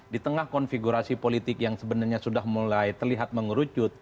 di tengah konfigurasi politik yang sebenarnya sudah mulai terlihat mengerucut